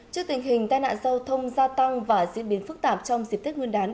trước tình hình tai nạn giao thông gia tăng và diễn biến phức tạp trong dịp tết nguyên đán